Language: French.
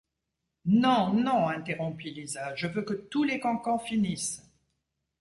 Non, non, interrompit Lisa, je veux que tous les cancans finissent.